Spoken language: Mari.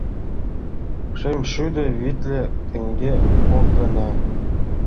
Шымшӱдӧ витле теҥге — кок гана!..